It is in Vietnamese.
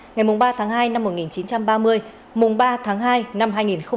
ngày ba tháng hai năm một nghìn chín trăm ba mươi mùng ba tháng hai năm hai nghìn hai mươi